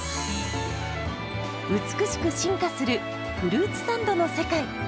美しく進化するフルーツサンドの世界。